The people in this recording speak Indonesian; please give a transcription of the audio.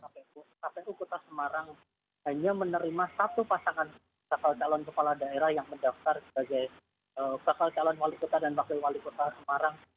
kpu kota semarang hanya menerima satu pasangan bakal calon kepala daerah yang mendaftar sebagai bakal calon wali kota dan wakil wali kota semarang